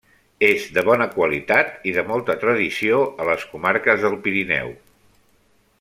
És de bona qualitat i de molta tradició a les comarques del Pirineu.